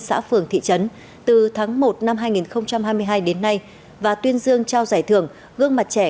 xã phường thị trấn từ tháng một năm hai nghìn hai mươi hai đến nay và tuyên dương trao giải thưởng gương mặt trẻ